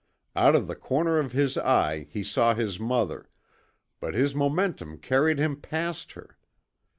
Out of the corner of his eye he saw his mother, but his momentum carried him past her.